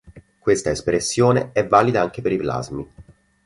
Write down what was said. Questa espressione è valida anche per i plasmi.